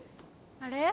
あれ？